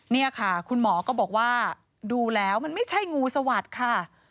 นี่ค่ะคุณหมอก็บอกว่าดูแล้วมันไม่ใช่งูสวัสดิ์ค่ะ